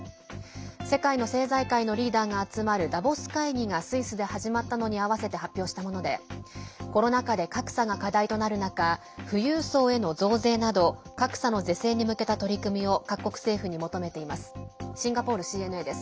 世界の政財界のリーダーが集まるダボス会議がスイスで始まったのに合わせて発表したものでコロナ禍で格差が課題となる中富裕層への増税など格差の是正に向けた取り組みを各国政府に求めています。